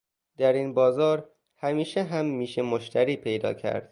در این بازار همیشه هم میشه مشتری پیدا کرد